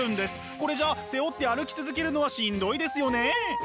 これじゃ背負って歩き続けるのはしんどいですよね。